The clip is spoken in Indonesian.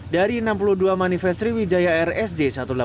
dari enam puluh dua manifest sriwijaya rsj satu ratus delapan puluh